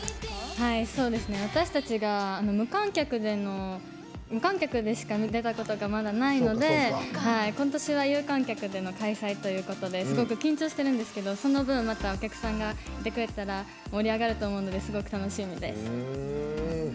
私たちが無観客でしか出たことがまだないので今年は有観客での開催ということですごく緊張してるんですけどその分、お客さんがいてくれたら盛り上がると思うのですごく楽しみです。